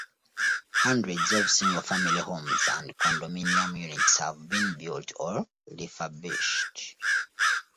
Hundreds of single family homes and condominium units have been built or refurbished.